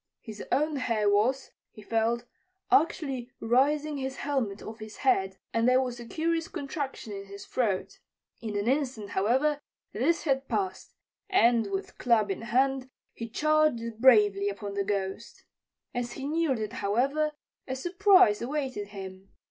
His own hair was, he felt, actually raising his helmet off his head, and there was a curious contraction in his throat. In an instant, however, this had passed, and, with club in hand, he charged bravely upon the Ghost. As he neared it, however, a surprise awaited him.